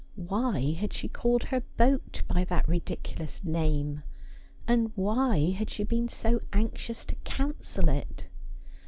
Why had she called her boat by that ridicu lous name : and why had she been so anxious to cancel it